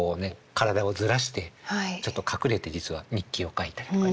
体をずらしてちょっと隠れて実は日記を書いたりとかね。